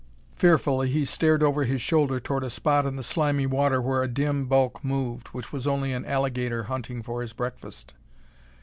Fearfully he stared over his shoulder toward a spot in the slimy water where a dim bulk moved, which was only an alligator hunting for his breakfast.